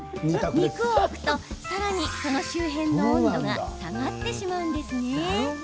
肉を置くと、さらにその周辺の温度が下がってしまいます。